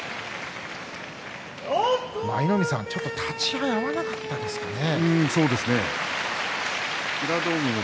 舞の海さん、立ち合い合わなかったんですかね。